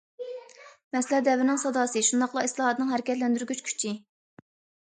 مەسىلە دەۋرنىڭ ساداسى، شۇنداقلا ئىسلاھاتنىڭ ھەرىكەتلەندۈرگۈچ كۈچى.